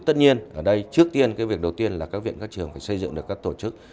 tất nhiên ở đây trước tiên cái việc đầu tiên là các viện các trường phải xây dựng được các tổ chức